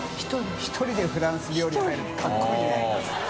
１人でフランス料理屋入るって辰海いい諭